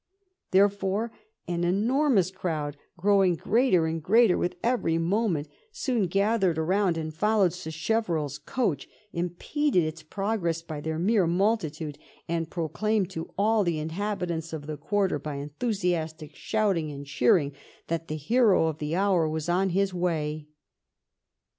There fore an enormous crowd, growing greater and greater with every mqpaent, soon gathered around and fol lowed SacheverelFs coach, impeded its progress by their mere multitude, and proclaimed to all the in habitants of the quarter, by enthusiastic shouting and cheering, that the hero of the hour was on his way.